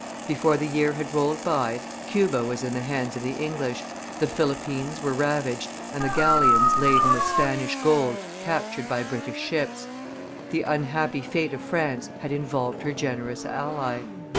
Before the year had rolled by, Cuba was in the hands of the English, the Philippines were ravaged and the galleons laden with Spanish gold captured by British ships. The unhappy fate of France had involved her generous ally.